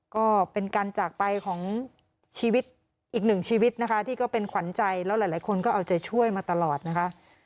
ก็เป็นการจากไปของชีวิตอีกหนึ่งชีวิตนะคะที่ก็เป็นขวัญใจแล้วหลายคนก็เอาใจช่วยมาตลอดนะคะ